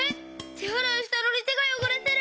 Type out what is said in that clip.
てあらいしたのにてがよごれてる！